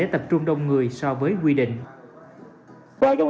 esco không hiểu số chuyên dịch hang